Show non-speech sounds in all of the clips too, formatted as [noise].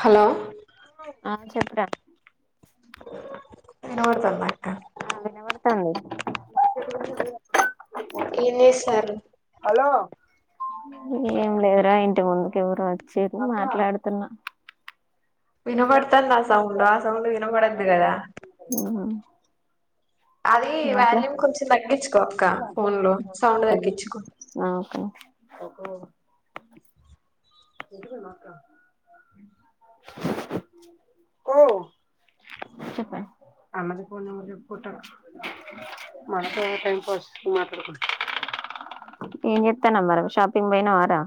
Hello ఆ చెప్పు రా. విన పడుతుందా. ఆ వినబడుతుంది. ఏం‌ చేస్తారు. ఏం లేదురా ఇంటి ముందుకు ఎవరు వచ్చి మాట్లాడుతున్నా. వినపడుతుంది ఆ సౌండ్ ఆ సౌండ్ వినపడద్దు కదా. అది మాట్లా వాల్యూమ్ కొంచెం తగ్గించుకో అక్క ఫోన్ లో సౌండ్ తగ్గించుకో ఓహో చెప్పం ఏ చెప్తా మ షాపింగ్ పోనారా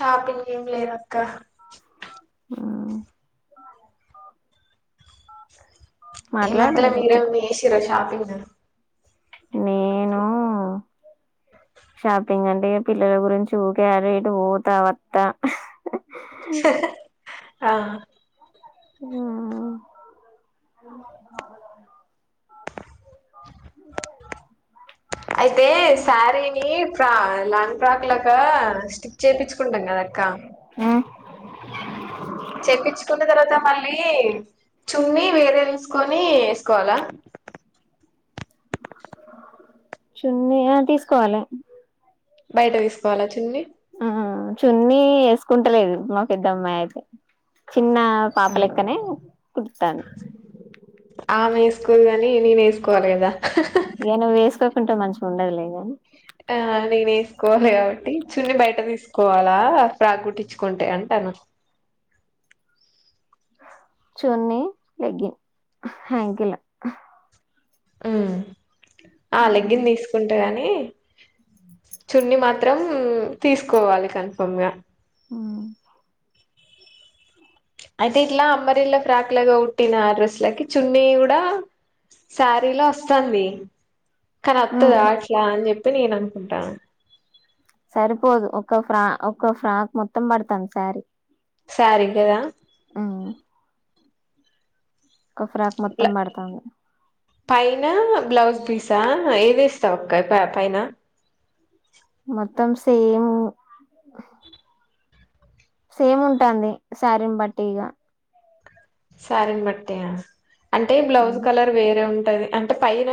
షాపింగ్ లేద్ అక్క హ్మ్ ఏం మాట్లాడు వద్దు లే మీరే చేసి రాషాపి అ స నేను షాపింగ్ అంటే పిల్లల గురించి ఊకే ఆటు ఇటు పోతా వత్త హా హ్మ్మ్ [unintelligible] అయితే సారీని ఫ్రా లాంగ్ ఫ్రాక్ లాగా స్టిచ్ చేయించుకుంటాం కదక్క చేపించుకున్న తర్వాత మళ్ళీ చున్నీ వేరే ఎసుకొని వేసుకోవాల చున్నీ ఆ తీసుకోవాలి బయట తీసుకోవాలా చున్నీ చున్న వేసుకుంటలేదు మాకు ఇద్దమ్మాయి అయితే చిన్న అవును పాపలెక్కనే కుడుతాను సుకోల్ గాని నేను వేసుకోవాలి కద ఏ నువ్వు వేసుకోకుంటే మంచిగా ఉండదులేగానీ ఆ నేనే వేసుకోవాలి కాబట్టి చున్న బయట తీసుకోవాలా ఫ్రాక్ కుట్టించుకుంటే అంటన చున్న లెగ్గిన్ హ్యాకిలా హ్మ్ ఆ ఉమ్ లెగ్గిన్ తీసుకుంటే గాని చున్ని మాత్రం తీసుకోవాలి కన్ఫర్మ్ గా హ్మ్ అయితే ఇట్ల అంమరిళ్ల ఫ్రాక్ లాగా ఉుట్టిన ఆ డ్రెస్లకి చున్నీ కూడ శారీలో వస్తుంది కానీ ఆత్తు ఉమ్ అట్లా అని చెప్ తే నేను అనుకుంట సరిపోదు ఒక ఫ్రా ఒక ఫ్రాక్ మొత్తం పడతాం శారీ సారీ కదా హ్మ్ ఒక్ ఫ్రాక్ మొత్తం పడతాంది పైన బ్లౌజ్ పీసా ఏది ఇస్తావు అక్కప పైన మొత్తం సేము సేమ్ ఉంటాంది శారీని బట్టి ఇగ సారీని బట్టియా అంటే బ్లౌజ్ కలర్ వేరే ఉ టాది. అంటే పైన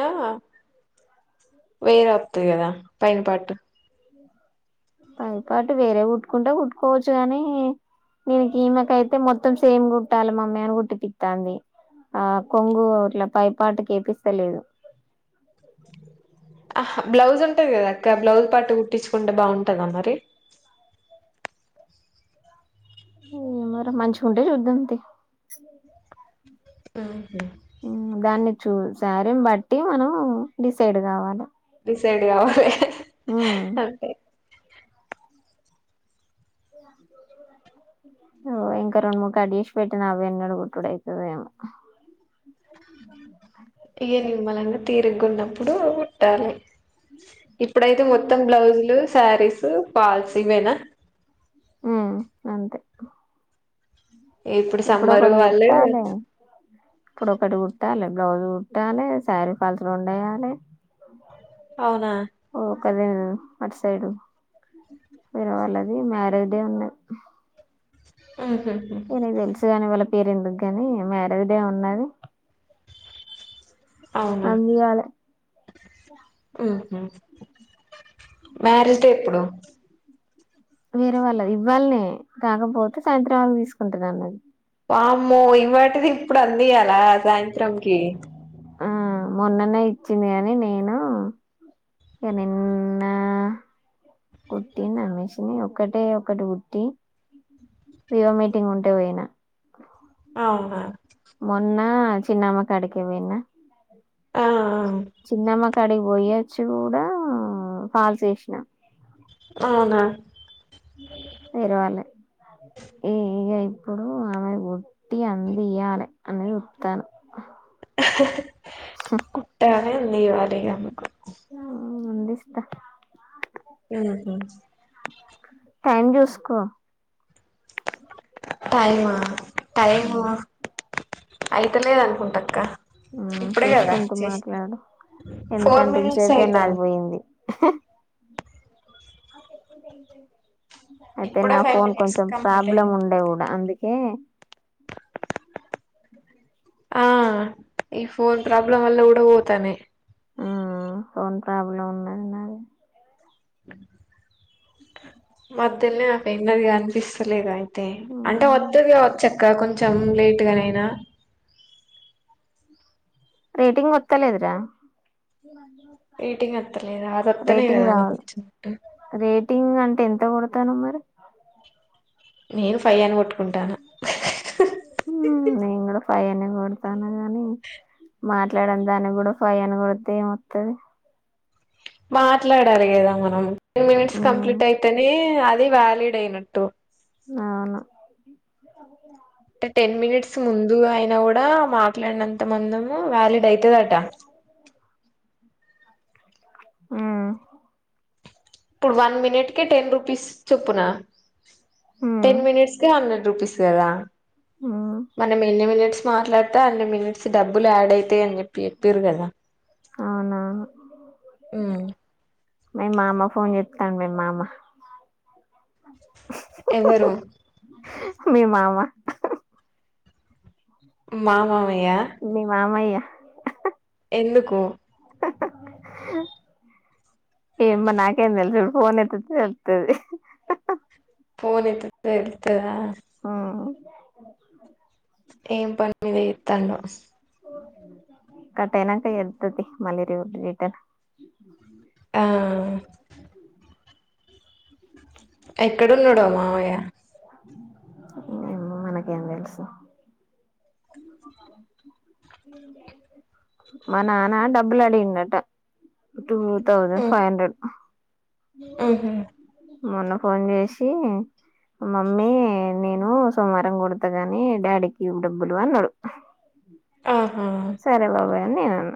వేరే వత్తది కదా పైన పాట్టు పైనపాటు వేరే ఉట్టుకుంటే, కుట్టుకోవచ్చు కాని. దినికి ఈమెకయితే మొత్తం సేమ్ గుట్టాలి మమ్మీ అని కుట్టి పత్తాంది. ఆ కొంగు ఇట్లా పైపాటు కేపిస్తలేదు. ఆహ్ బ్లౌజ్ ఉంటది. కదా అక్క బ్లౌజ్ పాటు కుట్టించుకుంటే బాగుంటదా. మరి ఉహ్ మరే మంచిగా ఉంటే చూద్దం. తి ఊహు ఉహ్మ్ దాన్ని చూస్ సారీని బట్టి మనం డిసైడ్ కావాలే డిసైడ్ కావాలే అంతే ఓ ఇంకా రెండు ముడ్ కట్ చేస్ పెట్టిన. అవ్వీ ఎన్నడుగుట్డుడు అయ్యితదేమో. ఇయ్ నిమ్మళంగా తిరిగా ఉన్నపుడు కుట్టాలే ఇప్పుడైతే మొత్తం బ్లౌజులు శారీస్, ఫాల్స్ ఇవేనా ఉహ్మ్ అంతే. ఇప్పుడు సమ్మరు ఒకటి వాళ్ళు కుట్టాలే ఇప్పుడు ఒకటి గుట్టాలే, బ్లౌజ్ కుట్టాలే, శారీ ఫాల్స్ రెండేయాలే. అవునా కర్రెన అటు సైడు. వేరే వాళ్ళది మ్యారేజ్ డే ఉన్నాద్. [inaudible] ఇగ నిక్ తెలుసు గానే వళ్ పేరు ఎందుకుగాని మ్యారేజ్ డే ఉన్నది. అవునా అందియాలే ఉహ్మ్ ఉహ్మ్ మ్యారేజ్ డే ఎప్పుడు వేరే వాళ్ళది. ఇవ్వాల్నే కాకపోతే సాయంత్రం అవి తీసుకుంటన్నాన్నాది. వామ్మో! ఇవాటిది ఇప్పుడు అందియాల సాయంత్రంకి. ఆ మొన్ననే ఇచ్చింది గాని నేను. ఇగా నీన్న కుట్టిన మెషిన్ మీద్ ఒకటే ఒకటి కుట్టి. ఇగా మీటింగ్ ఉంటే పోయిన అవునా చిన్నమ్మ కాడికి పోయిన ఆహ్ చిన్నమ్మ క్ కాడికి పోయొచ్చి కూడా ఫాల్స్ ఏసిన అవునా తెరవలే! ఇగా ఇప్పుడు ఆమె గుట్టి అందియ్యాలే అని చూత్తన్నా. కుట్టల్ లాందివాలేగామేకు అందిస్తా ఉహ్ హు టైం చూసుకో టైమా ఉమ్, టైము అయిత లేదు అనుకుంటఅక్క హ్మ్ చూసుకుంటూ మాట్లాడు ఫోర్ ఎందుకంటే మినిట్స్ ఇంతసేపే అయితాంది నాదిపోయింది [inaudible] అయితే ఇప్పుడే నా ఫైవ్ ఫోన్ మినిట్స్ కొంచెం కంప్లీట్ ప్రాబ్లం అయింది ఉండే గూడ అందుకే ఆ ఈ ఫోన్ ప్రాబ్లమ్ వాళ్ళ కూడ పోతాన్నాయ్ ఆ ఫోన్ ప్రాబ్లం ఉన్నది నాది మధ్యనే నాకు ఎన్నదిగా అనిపిస్తలేదు ఆయన అే అంటే వత్తదిగా వచ్చక్క కొంచెం లేట్గానైనా రేటింగ్ గొత్తలేదురా రేటింగ్ వత్త లేదా అదొత్తనయి కదా నాకు రావాలి వచ్చినట్టు ఎట్ట కొడుతానవ్ మరి నేను ఫైవ్ అని కొట్టుకుంటానా హ్మ్ నేను కూడా ఫైవ్ అనే కొడతాను గాని మాట్లాడ నిదానికి కూడా ఫైవ్ అని కొడితే ఏమొత్తాది మాట్లాడాలి కదా మనం టెన్ మినిట్స్ ఉమ్ కంప్లీట్ అయితేనే అది వాలిడ్ అయినట్టు ఆ అవును అంటే టెన్ మినిట్స్ ముందు అయిన కూడా మాట్లాడినంత మందము వ్యాలిడ్ అయి హమ్ ఇప్పుడు వన్ మినిట్ టెన్ రూపీస్ చొప్పునా ఉమ్ టెన్ మనిట్స్ క అన్న రూపీస్ కదా ఉమ్ మనం ఎన్ని మినిట్స్ మాట్లాడితే అన్ని మినిట్స్ డబ్బు యాడ్ అయితాయియని చెప్పి చెప్పారు కదా అవునవును హమ్ మీ మామ ఫోన్ చెప్స్తాం మీ మామ ఎవరు మీ మామ మా మామ మీ మామయ్య ఎందుకు ఏమో నాకేం తెలుసు ఫోన్ ఎత్తుతే తెలుత్తది. ఫోన్ ఎత్తి తే తే ఉ ఏం పని మీద ఎత్తాండు. కట్టెయనాంక ఎత్తుద్ది మళ్ళి [unintelligible] ఆ ఎక్కడున్నాడొ మావయ్య ఏమో మనకేం తెలుసు. మా నాన్న డబ్బులు అడిగిండట టూ తౌజండ్ ఫైవ్ హండ్రెడ్ ఆహు మొన్న ఫోన్ చేసి మమ్మీ నేను సోమవారం కొడతగాని డాడీకివ్ డబ్బులు అన్నడు. ఆహా సరే బాబాయ్ అన్ని నేనన్న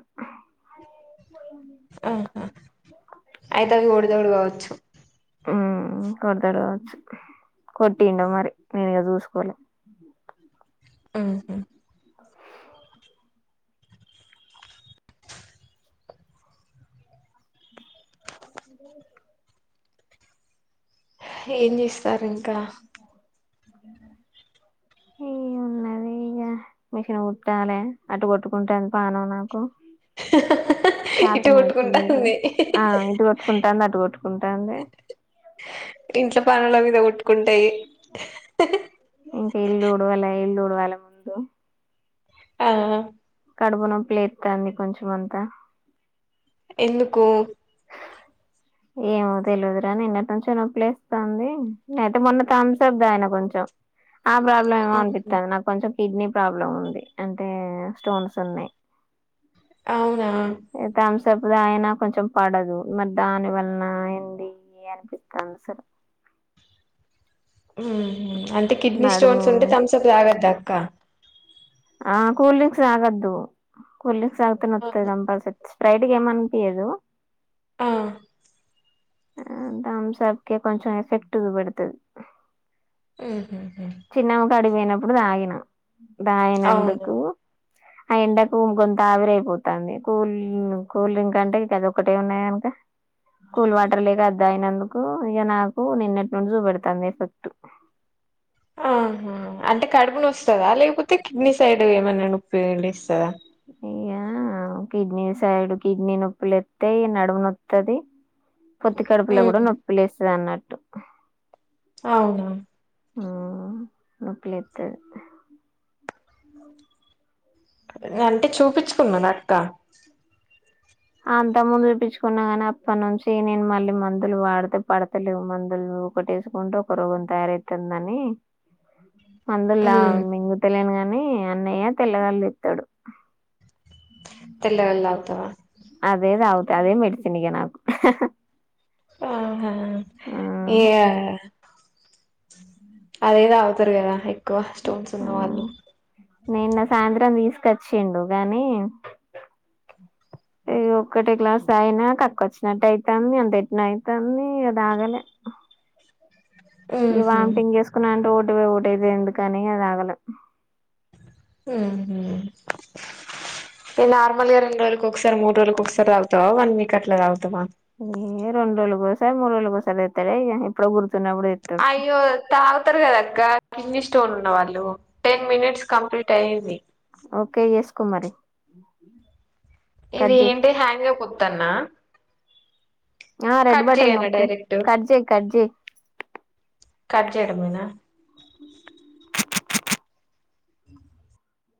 ఆహా ఐతే అవి ఒడిదోడు కావచ్చు. ఉ, కొడతాడు కావచ్చు, కొట్టిండొ మరి నేను ఇగ చూసుకోలే ఆహు [unintelligible] ఏం చేస్సారు ఇంకా హే ఉన్నది ఇగ మిషన్ కుట్టాలి అటు కొట్టుకుంటన్ పానం నాకు ఇటు చాతన్ ఐతలేదు, కొట్టుకుంటాంది ఆ ఇటు కొట్టుకుంటాంది అటు కొట్టుకుంటాంది. ఇంట్లో పనుల మీద కొట్టుకుంటయి. ఇంక ఇల్లు ఉడ్వలే ఇల్లు ఉడ్వల ముందు ఆ కడుపునొప్పి లేత్తాంది, కొంచం అంతా ఎందుకు ఏమో తెలీదురా నిన్నట్నుంచి నొప్పలేస్తాంది, లేతే మొన్న తంమ్సప్ తాయిన కొంచెం ఆ ప్రాబ్లమ్ ఏమో ఉహు అనిపిత్తాంది నాక్ కొంచెం కిడ్నీ ప్రాబ్లం ఉంది, అంటే స్టోన్స్ ఉన్నయ్. అవ్ న సప్ తాయిన కొంచెం పడదు మరి దాని వల్న ఏంది అనిపిస్తాంది అసలు హ్మ్ హు అంటే కిడ్నీ నడుము స్టోన్స్ ఉంటే థంమ్సప్ తాగద్దా క ఆ కూల్ డ్రింక్స్ తాగద్దు, కూల్ లింగ్స్ తాతే నొత్తది కంపల్ సరి స్ప్రైట్గ ఏమనిపియదు. ఆ దంమ్ సప్కె కొంచెం ఎఫెక్ట్ పడుతది. ఊహు చిన్నగ పడి పోయినప్పుడు తాగిన అవును దాగినందుకు అ ఎండకు గొంతు ఆవిరయిపోతాంది కూల్ కూల్ డ్రింక్ అంటే ఇక అది ఒకటే ఉన్నాయంట కూల్ వాటర్ లేక అది తాగినందుకు ఇక నాకు నిన్నటి నుండి చూపెడతంది ఎఫెక్ట్ ఆహ! అంటే కడుపు నస్తదా లేకపోతే కిడ్నీ సైడ్ ఏమైనా నొప్పి ఉండిస్తద అయ్యా కిడ్నీ సైడ్ కిడ్నీ నొప్పులు వత్తయి నడుము నొత్తది. పొత్తి కడుపులో ఉమ్ కూడా నొప్పి లేస్తదన్నట్టు అవునా ఆ నొప్పి లేత్తది. ఇంగ అంటే చూపిచ్ కున్నా నక్క అంతకుముందు చూపించుకున్నా గాని అప్పటి నుంచి నేను మళ్ళీ మందులు వాడితే పడతలేవు మందులు ఒకటిేసుకుంటే ఒక రోగం తయారైతుందని మందుల ఉమ్ మింగుతలేను కానీ ని అన్నయ్య తెల్లవళ్ళు ఇత్తడు. తెల్లవల్ తాగుతావా అదేదావుత అదే మేడిసిన్ ఇగ నాకు ఆహా! ఆ, ఏ అదేతాగుతరు కదా ఎ హా హా నిన్న సాయంత్రం తీసుక చ్చిండు గానీ ఒక్కటి గ్లాస్ తాగిన కక్క వచ్చినట్టు అయితంది అంత ఎట్న అయితంది ఇంగ తాగలే ఈ ఉహు వాంతింగ్ చేసుకున్నా అంటోడ్ వో ఒకటోది ఎందుకని అది ఆగల ఊహు నార్మల్ గా రెండు రోజుల్కు ఒకసారి మూడు రోజుల్కు ఒకసారి తాగుతావా వన్ వీక్ అట్లా తాగుతావా ఏ రెండు రోజలుకి కోసారి మూడు రోజులకి ఒకసారి తేత్తాడిగా ఎప్పుడో గుర్తు అయ్యో తాగుతరు గద గ కిడ్నీ స్టోన్ ఉన్నవాళ్ళు టెన్ మినిట్స్ కంప్లీట్ అయ్యింది. ఓకే చేసుకో మరి ఇది కట్ చేయి ఏంటి హ్యాంగ్ పో తన్నా ఆ రెడ్ బటన్ నొక్కు కట్ చేయ్ కట్ చేయ్. కట్ చేయడమేనా